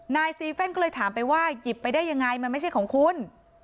นายซีเฟ่นก็เลยถามไปว่าหยิบไปได้ยังไงมันไม่ใช่ของคุณ